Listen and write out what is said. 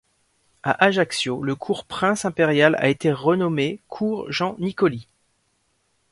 À Ajaccio, le Cours Prince impérial a été renommé Cours Jean Nicoli.